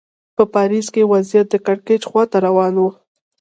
په پاریس کې وضعیت د کړکېچ خوا ته روان و.